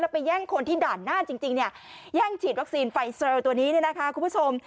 ไปแย่งคนที่ด่านหน้าจริงเนี่ยแย่งฉีดวัคซีนไฟเซอร์ตัวนี้เนี่ยนะคะคุณผู้ชม